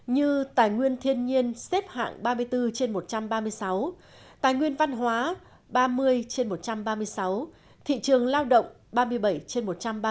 như tài nguyên thiên nhiên xếp hạng ba mươi bốn trên một trăm ba mươi sáu tài nguyên văn hóa ba mươi trên một trăm ba mươi sáu thị trường lao động ba mươi bảy trên một trăm ba mươi